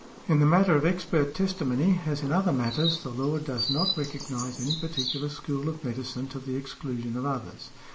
In the matter of expert testimony, as in other matters, the law does not recognize any particular school of medicine to the exclusion of others.